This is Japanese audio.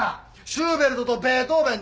シューベルトとベートーヴェン